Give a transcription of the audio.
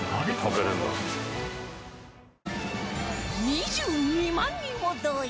２２万人を動員